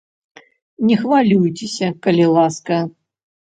Не хвалюйцеся, калі ласка.